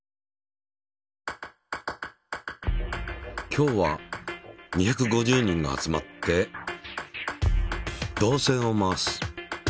今日は２５０人が集まって導線を回す。